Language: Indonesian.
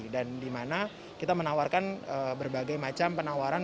dan di mana kita menawarkan berbagai macam penawaran